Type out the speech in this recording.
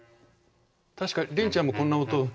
確かリンちゃんもこんな音。